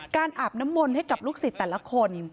อาบน้ำมนต์ให้กับลูกศิษย์แต่ละคน